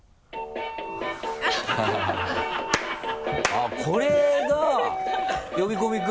あっこれが「呼び込み君」？